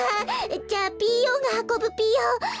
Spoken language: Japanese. じゃあピーヨンがはこぶぴよ。